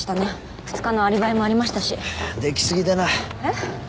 ２日のアリバイもありましたしできすぎだなえっ？